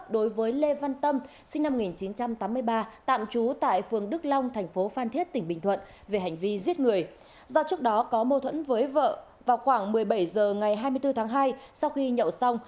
do trước đó có mâu thuẫn với vợ vào khoảng một mươi bảy h ngày hai mươi bốn tháng hai sau khi nhậu xong